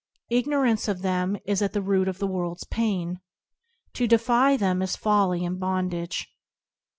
Ignorance of them is at the root of the world's pain. To defy them is folly and bondage.